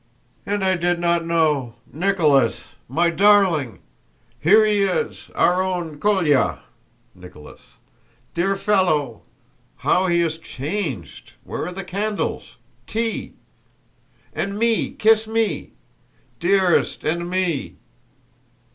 "And I did not know... Nicholas... My darling!..." "Here he is... our own... Kólya, * dear fellow... How he has changed!... Where are the candles?... Tea!..." * Nicholas. "And me, kiss me!" "Dearest... and me!"